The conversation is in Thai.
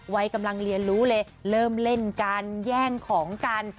วัยกำลังเรียนรู้เลยเริ่มเล่นกันแย่งของกัน